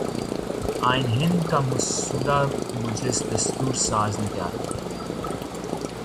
آئین ہند کا مسودہ مجلس دستور ساز نے تیار کیا